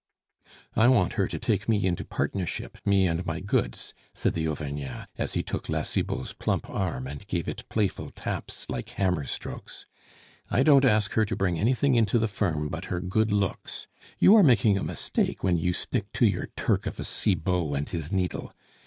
"I want her to take me into partnership, me and my goods," said the Auvergnat, as he took La Cibot's plump arm and gave it playful taps like hammer strokes. "I don't ask her to bring anything into the firm but her good looks! You are making a mistake when your stick to your Turk of a Cibot and his needle.